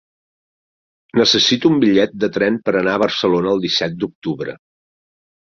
Necessito un bitllet de tren per anar a Barcelona el disset d'octubre.